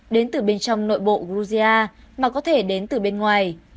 đến từ bên trong nội bộ georgia mà có thể đến từ bên ngoài